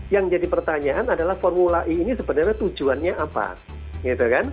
yang jadi pertanyaan adalah formula e ini sebenarnya tujuannya apa gitu kan